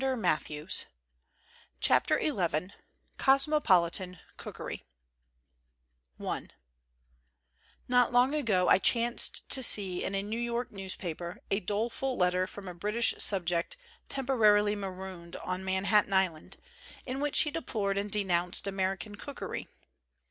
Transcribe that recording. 182 XT COSMOPOLITAN COOKERY XI COSMOPOLITAN COOKERY NOT long ago I chanced to see in a New York newspaper a doleful letter from a British subject temporarily marooned on Manhattan Island in which he deplored and denounced American cookery.